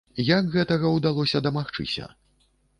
Як гэтага ўдалося дамагчыся?